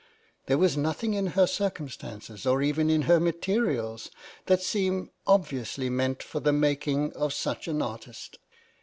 There was nothing in her circumstances, or even in her materials, that seems obviously meant for the making of such an artist.